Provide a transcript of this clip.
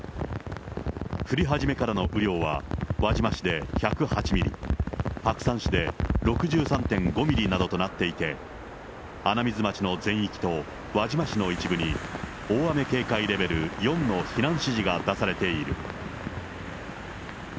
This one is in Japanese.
降り始めからの雨量は輪島市で１０８ミリ、白山市で６３．５ミリなどとなっていて、穴水町の全域と輪島市の一部に、大雨警戒レベル４の避難指示が出されている。